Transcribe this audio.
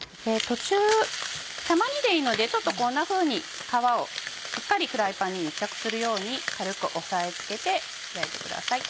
途中たまにでいいのでこんなふうに皮をしっかりフライパンに密着するように軽く押さえつけて焼いてください。